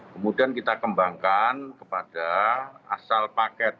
kemudian kita kembangkan kepada asal paket